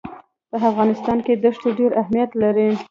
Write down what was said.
په افغانستان کې دښتې ډېر اهمیت لري.